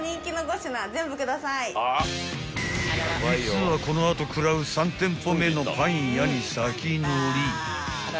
［実はこの後食らう３店舗目のパン屋に先乗り］